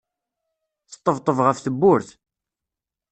Sṭebṭeb ɣef tewwurt.